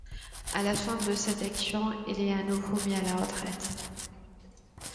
À la fin de cette action, il est à nouveau mis à la retraite.